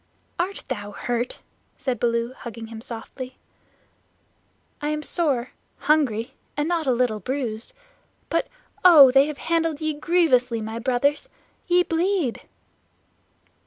"Art thou hurt?" said Baloo, hugging him softly. "I am sore, hungry, and not a little bruised. But, oh, they have handled ye grievously, my Brothers! Ye bleed."